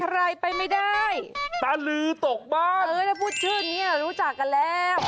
อะไรไปไม่ได้ตาลือตกบ้านเออถ้าพูดชื่อเนี้ยรู้จักกันแล้ว